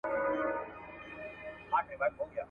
ښايي ځیني ستونزې رامنځته سي.